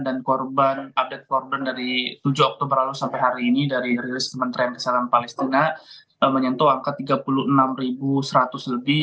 dan korban update korban dari tujuh oktober lalu sampai hari ini dari rilis kementerian kesehatan palestina menyentuh angka tiga puluh enam seratus lebih